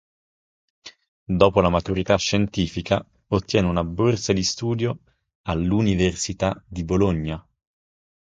Dopo la maturità scientifica, ottiene una borsa di studio all'Università di Bologna.